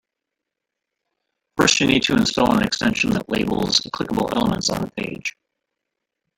First, you need to install an extension that labels clickable elements on the page.